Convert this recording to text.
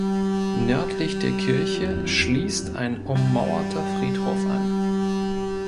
Nördlich der Kirche schließt ein ummauerter Friedhof an.